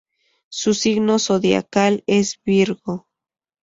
Su signo zodiacal es Virgo.